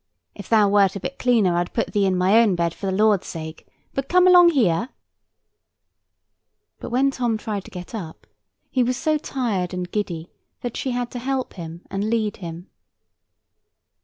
If thou wert a bit cleaner I'd put thee in my own bed, for the Lord's sake. But come along here." But when Tom tried to get up, he was so tired and giddy that she had to help him and lead him.